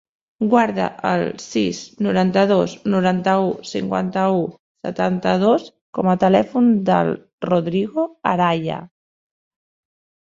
Guarda el sis, noranta-dos, noranta-u, cinquanta-u, setanta-dos com a telèfon del Rodrigo Araya.